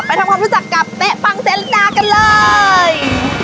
ทำความรู้จักกับเป๊ะปังเจลิดากันเลย